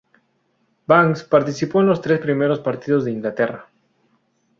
Banks participó en los tres primeros partidos de Inglaterra.